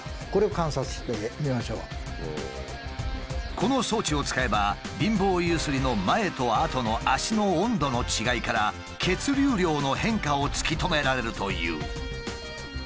この装置を使えば貧乏ゆすりの前とあとの脚の温度の違いから血流量の変化を突き止められるという。